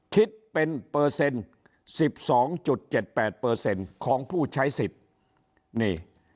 คิดเป็นเปอร์เซ็นต์๑๒๗๘เปอร์เซ็นต์ของผู้ใช้สิทธิ์